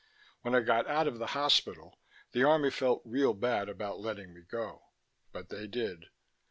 When I got out of the hospital, the army felt real bad about letting me go but they did.